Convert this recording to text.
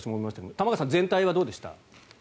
玉川さん、全体はどうでした？